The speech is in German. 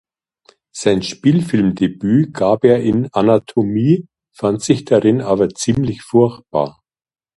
Sein Spielfilmdebüt gab er in "Anatomie", fand sich darin aber „ziemlich furchtbar“.